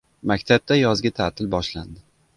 Maktabda yozgi ta’til boshlandi.